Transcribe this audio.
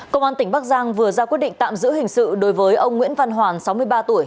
công an tỉnh bắc giang vừa ra quyết định tạm giữ hình sự đối với ông nguyễn văn hoàn sáu mươi ba tuổi